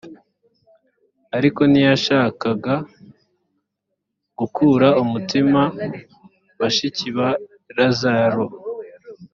ariko ntiyashakaga gukura umutima bashiki ba lazaro